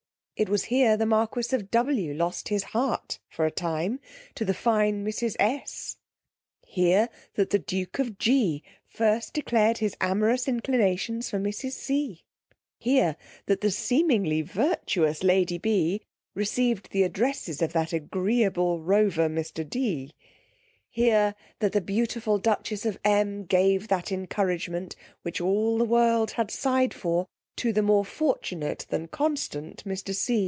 It was here the marquis of W r lost his heart, for a time, to the fine mrs. S ge: here, that the duke of G n first declared his amorous inclinations for mrs. C r: here, that the seemingly virtuous lady B n received the addresses of that agreeable rover mr. D n: here, that the beautiful dutchess of M gave that encouragement, which all the world had sighed for, to the more fortunate than constant mr.